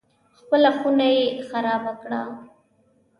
خپله خونه یې خرابه کړه.